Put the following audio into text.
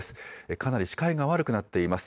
かなり視界が悪くなっています。